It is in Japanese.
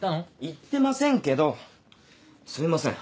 行ってませんけどすいません。